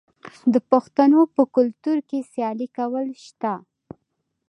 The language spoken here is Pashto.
د پښتنو په کلتور کې سیالي کول شته.